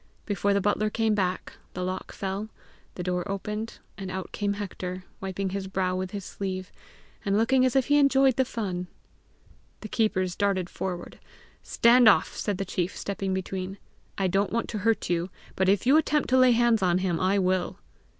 Before the butler came back, the lock fell, the door opened, and out came Hector, wiping his brow with his sleeve, and looking as if he enjoyed the fun. The keepers darted forward. "Stand off!" said the chief stepping between. "I don't want to hurt you, but if you attempt to lay hands on him, I will."